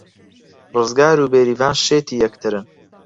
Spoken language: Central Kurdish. ڕزگار و بێریڤان شێتی یەکترن.